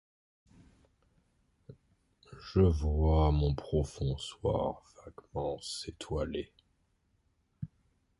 Je vois mon profond soir vaguement s'étoiler ;